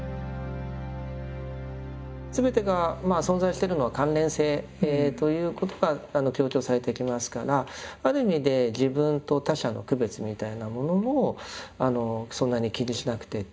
すべてがまあ存在してるのは関連性ということが強調されてきますからある意味で自分と他者の区別みたいなものもそんなに気にしなくてっていうんでしょうかね